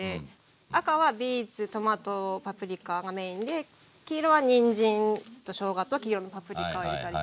赤はビーツトマトパプリカがメインで黄色はにんじんとしょうがと黄色のパプリカを入れたり。